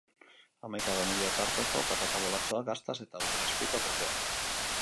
Hamaika gomendio tarteko, patata bolatxoak, gaztaz eta urdaiazpikoz beteak.